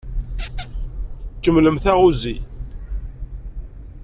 Kemmlem taɣuzi.